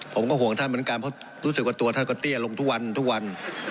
ผมก็ห่วงท่านเหมือนกันเพราะรู้สึกว่าตัวท่านก็เตี้ยลงทุกวันทุกวัน